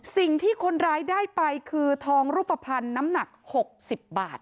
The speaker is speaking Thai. สิ่งที่คนร้ายได้ไปคือทองรูปภัณฑ์น้ำหนัก๖๐บาท